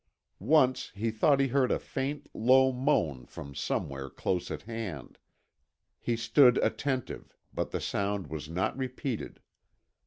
Once he thought he heard a faint, low moan from somewhere close at hand. He stood attentive, but the sound was not repeated.